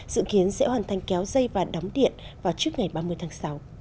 dự kiến sẽ hoàn thành kéo dây và đóng điện vào trước ngày ba mươi tháng sáu